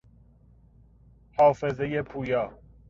حافظهی پویا